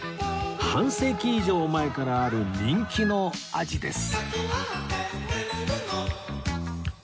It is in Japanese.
半世紀以上前からある人気の味です